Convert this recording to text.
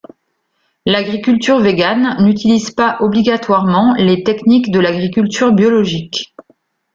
L'agriculture végane n'utilise pas obligatoirement les techniques de l'agriculture biologique.